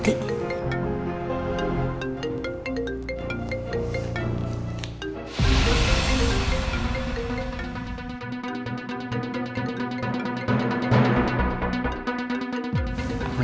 telepon siapa sih